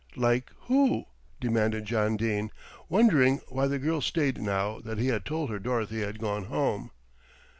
"Like who?" demanded John Dene, wondering why the girl stayed now that he had told her Dorothy had gone home.